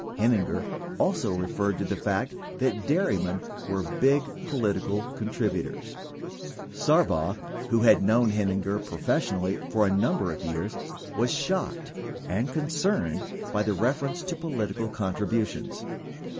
Heininger also referred to the fact that dairy men were big political contributors. Sarbaugh, who had known Heininger professionally for a number of years, was shocked and concerned by the reference to political con tributions.